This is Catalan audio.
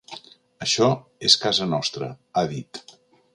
Això és casa nostra, ha dit.